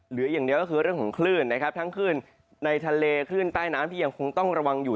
เหลืออย่างเดียวก็คือเรื่องของคลื่นนะครับทั้งคลื่นในทะเลคลื่นใต้น้ำที่ยังคงต้องระวังอยู่